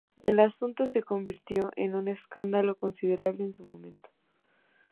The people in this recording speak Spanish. El asunto se convirtió en un escándalo considerable en su momento.